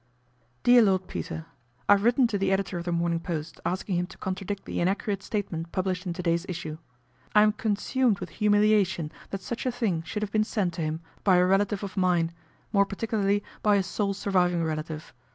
" DEAR LORD PETER, " I have written to the editor of The Morning Post, asking him to contradict the inaccurate statement published in to day's issue. I am consumed with humiliation that such a thing should have been sent to him by a relative of mine, more particularly by a ' sole surviving relative.'